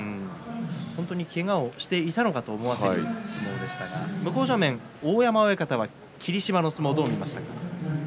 本当にけがをしていたのかと思わせる相撲でしたが向正面の大山親方は霧島の相撲、どう見ましたか？